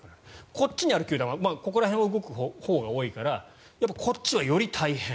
こっちにある球団はここら辺は動くほうが多いからこっちは、より大変。